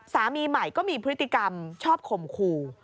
สามีใหม่ก็มีพฤติกรรมชอบข่มขู่